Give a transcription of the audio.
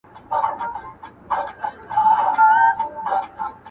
که طلا که شته منۍ دي ته به ځې دوی به پاتیږي!!